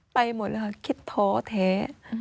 ไปหมดคิดท้อแท้